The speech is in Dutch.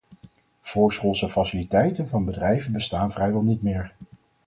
Voorschoolse faciliteiten van bedrijven bestaan vrijwel niet meer.